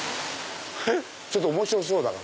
ちょっと面白そうだ！